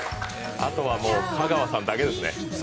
あとはもう香川さんだけですね。